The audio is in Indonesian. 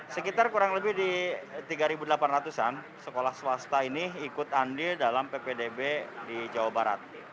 sekitar kurang lebih di tiga delapan ratus an sekolah swasta ini ikut andil dalam ppdb di jawa barat